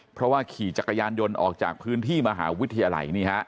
เพราะว่าขี่จักรยานยนต์ออกจากพื้นที่มหาวิทยาลัย